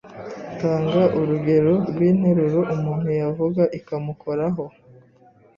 Tanga urugero rw’interuro umuntu yavuga ikamukoraho